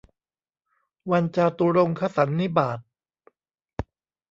วันจาตุรงคสันนิบาต